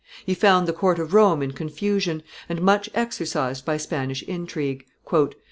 He found the court of Rome in confusion, and much exercised by Spanish intrigue.